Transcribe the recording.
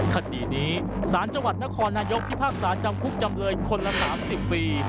คดีนี้สารจังหวัดนครนายกพิพากษาจำคุกจำเลยคนละ๓๐ปี